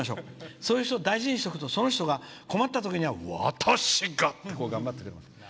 そういう人を大事にしておくと困ったときに「私が！」って来てくれます。